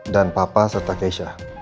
dan papa serta keisha